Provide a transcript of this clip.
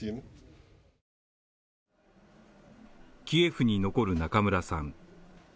キエフに残る中村さん。